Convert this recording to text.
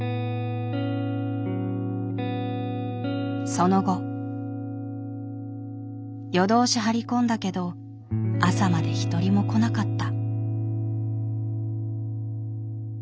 その後夜通し張り込んだけど朝まで一人も来なかった。